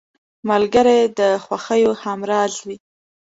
ملګری د خوښیو همراز وي